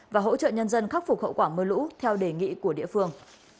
và hỗ trợ nhân dân khắc phục hậu quả mưa lũ theo đề nghị của địa phương